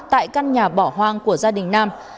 tại căn nhà bỏ hoang của gia đình nam